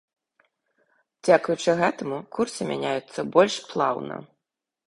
Дзякуючы гэтаму, курсы мяняюцца больш плаўна.